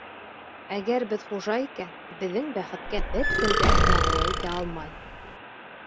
Әгәр беҙ хужа икән, беҙҙең бәхеткә бер кем дә дәғүә итә алмай.